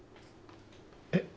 えっ？